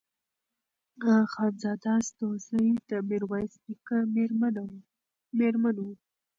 خانزاده سدوزۍ د میرویس نیکه مېرمن وه.